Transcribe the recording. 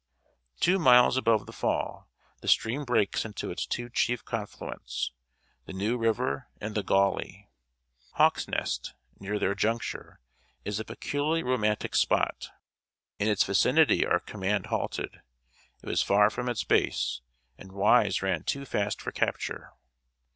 Two miles above the fall, the stream breaks into its two chief confluents the New River and the Gauley. Hawk's Nest, near their junction, is a peculiarly romantic spot. In its vicinity our command halted. It was far from its base, and Wise ran too fast for capture.